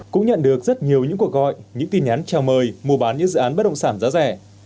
cũng nhận được rất nhiều những cuộc gọi những tin nhắn trào mời mua bán những dự án bất động sản giá rẻ